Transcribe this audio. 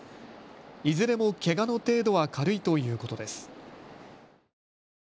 いずれもけがの程度は軽いということです。